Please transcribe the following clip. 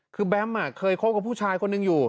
คือแบมเคยคบกับผู้ชายคนหนึ่งอยู่